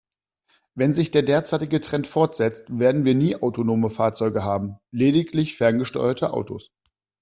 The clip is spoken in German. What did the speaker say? Wenn sich der derzeitige Trend fortsetzt, werden wir nie autonome Fahrzeuge haben, lediglich ferngesteuerte Autos.